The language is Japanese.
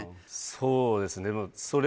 そうですね